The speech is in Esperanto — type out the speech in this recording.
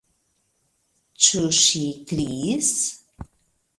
Ĉu ŝi kriis?